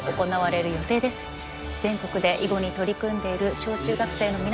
全国で囲碁に取り組んでいる小中学生の皆さん